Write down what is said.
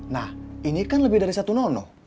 nah ini kan lebih dari satu nono